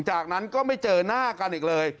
จากนั้นก็ไม่เจอหน้ากันอีกเลย